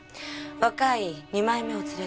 若い二枚目を連れて。